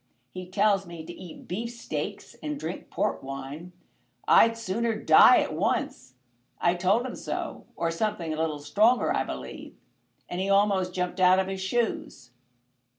He tells me to eat beefsteaks and drink port wine. I'd sooner die at once. I told him so, or something a little stronger, I believe, and he almost jumped out of his shoes."